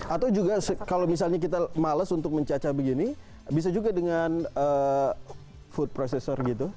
atau juga kalau misalnya kita males untuk mencacah begini bisa juga dengan food processor gitu